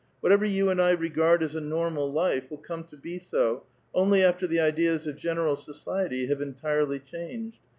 Whatever 3'ou and I regard as a normal life will come to be so, only after the ^<3eas of general society have entirely changed.